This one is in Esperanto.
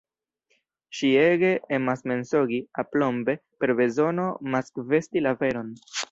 Ŝi ege emas mensogi, aplombe, per bezono maskvesti la veron.